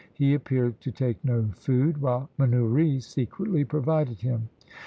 He appeared to take no food, while Manoury secretly provided him.